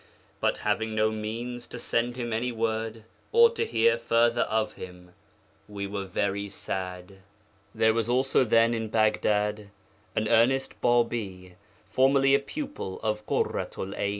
But having no means to send him any word, or to hear further of him, we were very sad. 'There was also then in Baghdad an earnest Bābī, formerly a pupil of Ḳurratu'l 'Ayn.